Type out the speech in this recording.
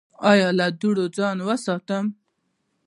ایا له دوړو ځان وساتم؟